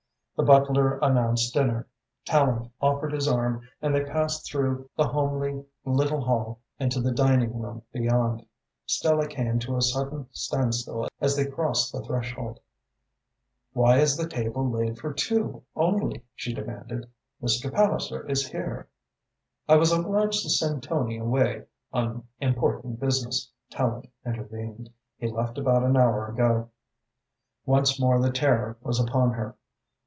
The butler announced dinner. Tallente offered his arm and they passed through the homely little hall into the dining room beyond. Stella came to a sudden standstill as they crossed the threshold. "Why is the table laid for two only?" she demanded. "Mr. Palliser is here." "I was obliged to send Tony away on important business," Tallente intervened. "He left about an hour ago." Once more the terror was upon her.